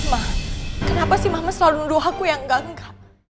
mama kenapa si mama selalu nunggu aku yang gangga